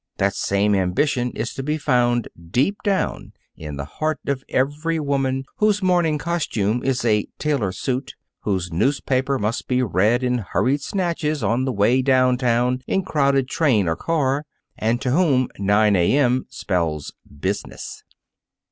That same ambition is to be found deep down in the heart of every woman whose morning costume is a tailor suit, whose newspaper must be read in hurried snatches on the way downtown in crowded train or car, and to whom nine A.M. spells "Business."